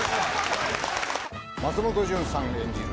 松本潤さん演じる